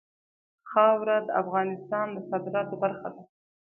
خاوره د افغانستان د صادراتو برخه ده.